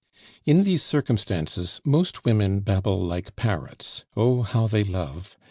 In these circumstances, most women babble like parrots. Oh! how they love!